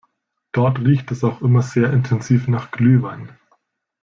Dort riecht es auch immer sehr intensiv nach Glühwein.